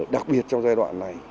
đặc biệt trong giai đoạn này